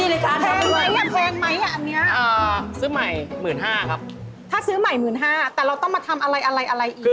เร่งทุกไหนเร่งที่